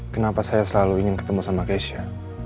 kenapa saya selalu ingin ketemu sama keisha